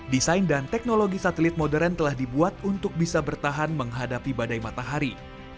desain dan teknologi satelit modern telah dibuat untuk bisa bertahan menghadapi badai matahari